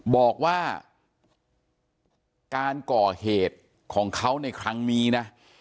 บอกว่าการก่อเหตุของเขาในครั้งนี้นะ